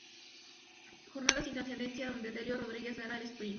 Jornada sin trascendencia donde Delio Rodríguez gana al esprint.